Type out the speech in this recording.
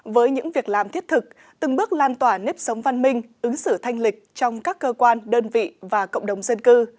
với những việc làm thiết thực từng bước lan tỏa nếp sống văn minh ứng xử thanh lịch trong các cơ quan đơn vị và cộng đồng dân cư